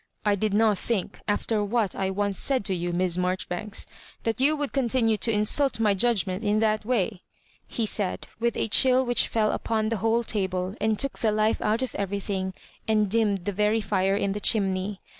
" I did not think, after what I once said to you, Miss Marjori banks, that you would continue to insult my judgment in that way," he said, with a dull which fell upon the whole table, and took the life out of everything, and dimmed the very fire in the chimney.